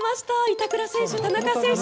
板倉選手、田中選手